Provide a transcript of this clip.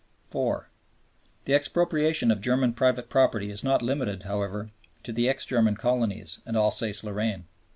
(4) The expropriation of German private property is not limited, however, to the ex German colonies and Alsace Lorraine.